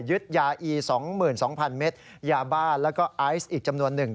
ยาอี๒๒๐๐เมตรยาบ้านแล้วก็ไอซ์อีกจำนวนหนึ่ง